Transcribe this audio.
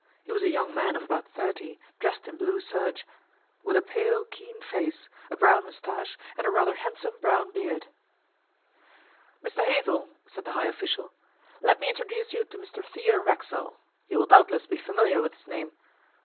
He was a young man of about thirty, dressed in blue serge, with a pale, keen face, a brown moustache and a rather handsome brown beard. 'Mr Hazell,' said the high official, 'let me introduce you to Mr Theodore Racksole you will doubtless be familiar with his name.